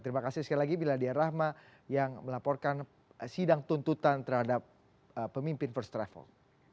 terima kasih sekali lagi miladia rahma yang melaporkan sidang tuntutan terhadap pemimpin first travel